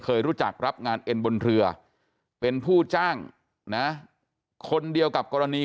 เคยรู้จักรับงานเอ็นบนเรือเป็นผู้จ้างนะคนเดียวกับกรณี